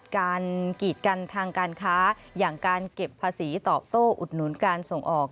กีดกันทางการค้าอย่างการเก็บภาษีตอบโต้อุดหนุนการส่งออก